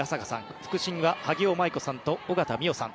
副審は萩尾麻衣子さんと緒方実央さん。